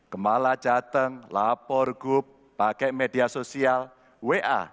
kemala jateng lapor gub pakai media sosial wa